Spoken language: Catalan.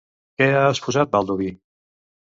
Què ha exposat Baldoví?